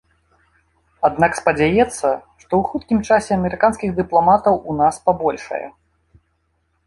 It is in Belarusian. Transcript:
Аднак спадзяецца, што ў хуткім часе амерыканскіх дыпламатаў у нас пабольшае.